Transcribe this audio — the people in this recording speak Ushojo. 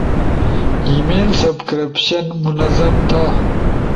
ای میل سبکریبشن منظم تھا